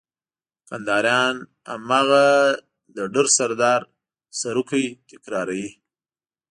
کنداريان هماغه د ډر سردار سروکی تکراروي.